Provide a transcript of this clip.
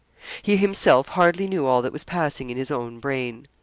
He himself hardly knew all that was passing in his own brain.